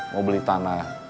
mau beli tanah